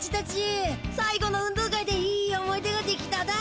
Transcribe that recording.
さいごの運動会でいい思い出ができただ。